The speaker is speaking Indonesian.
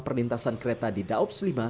enam perlintasan kereta di daups lima